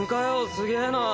すげぇな！